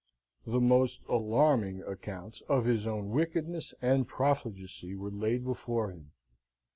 The most alarming accounts of his own wickedness and profligacy were laid before him.